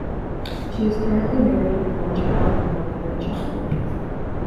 She is currently married with one child and one grandchild.